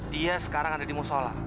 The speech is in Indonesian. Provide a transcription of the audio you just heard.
dia sekarang ada di musola